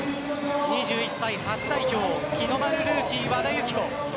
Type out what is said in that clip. ２１歳、初代表日の丸ルーキー・和田由紀子。